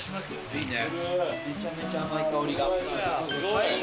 すごい！